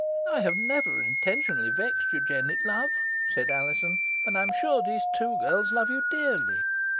"I have never intentionally vexed you, Jennet, love," said Alizon, "and I am sure these two girls love you dearly."